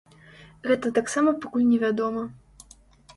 Гэта таксама пакуль невядома.